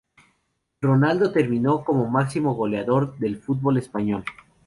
Ronaldo terminó como máximo goleador del fútbol español.